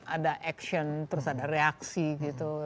ada action terus ada reaksi gitu